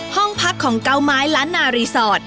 ห้องพักของเกาไม้ล้านนารีสอร์ท